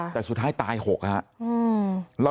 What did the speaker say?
แต่สุดท้ายตาย๖อคนะ